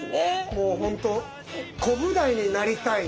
もう本当コブダイになりたい。